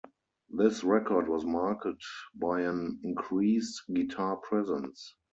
This record was marked by an increased guitar presence.